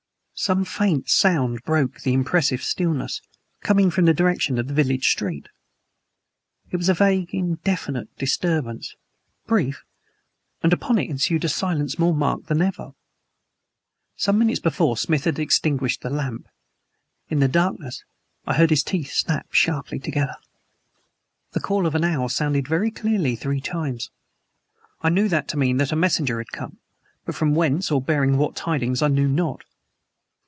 Some faint sound broke the impressive stillness, coming from the direction of the village street. It was a vague, indefinite disturbance, brief, and upon it ensued a silence more marked than ever. Some minutes before, Smith had extinguished the lamp. In the darkness I heard his teeth snap sharply together. The call of an owl sounded very clearly three times. I knew that to mean that a messenger had come; but from whence or bearing what tidings I knew not.